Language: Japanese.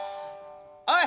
おい！